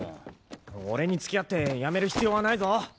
俺に付き合って辞める必要はないぞ。